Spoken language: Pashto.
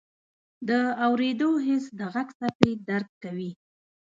د اورېدو حس د غږ څپې درک کوي.